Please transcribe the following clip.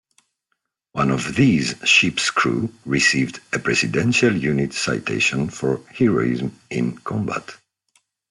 One of these ships' crew received a Presidential Unit Citation for heroism in combat.